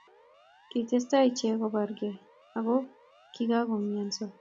kitestai iche kobirgei ago kigagoumianso